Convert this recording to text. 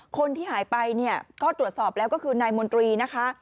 คนที่หายไปเนี่ยก็ตรวจสอบแล้วก็คือนายมนตรีนะคะ